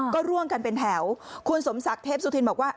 ก็ร่วมกันเป็นแถวคุณสมศักดิ์เทพสุธินบอกว่า